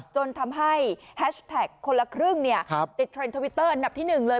จนทำให้แฮชแท็กคนละครึ่งติดเทรนด์ทวิตเตอร์อันดับที่๑เลย